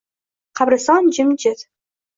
Qabriston jimjit.